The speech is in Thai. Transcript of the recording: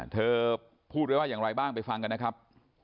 เธอพูดไว้ว่าอย่างไรบ้างไปฟังกันนะครับ